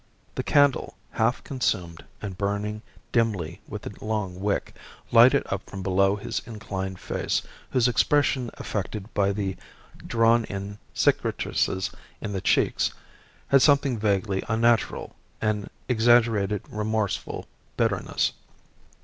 The candle, half consumed and burning dimly with a long wick, lighted up from below his inclined face, whose expression affected by the drawn in cicatrices in the cheeks, had something vaguely unnatural, an exaggerated remorseful bitterness.